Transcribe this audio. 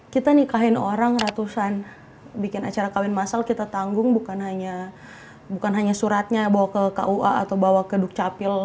kita nikahin orang ratusan bikin acara kawin masal kita tanggung bukan hanya suratnya bawa ke kua atau bawa ke dukcapil